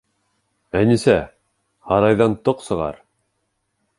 Әнисә, һарайҙан тоҡ сығар!